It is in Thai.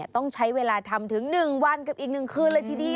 ต้องใช้เวลาทำถึง๑วันกับอีก๑คืนเลยทีเดียว